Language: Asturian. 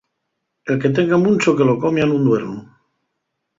El que tenga muncho que lo comia nun duernu.